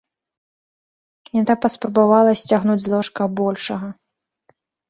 Яна папрабавала сцягнуць з ложка большага.